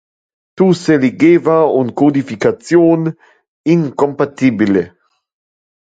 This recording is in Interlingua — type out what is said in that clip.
Tu seligeva un codification incompatibile.